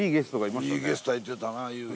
いいゲストがいてたなぁ。